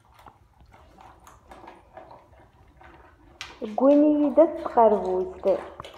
Ggin-iyi-d At Tqerbuzt.